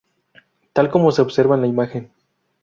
Tal como se observa en la imagen.